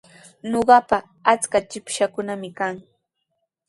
Ñuqapa achka chikpashaakunami kan.